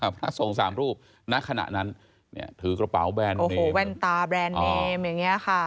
พระสงฆ์สามรูปณขณะนั้นถือกระเป๋าแบรนด์เนมถือแว่นตาแบรนด์เนมอย่างนี้ค่ะ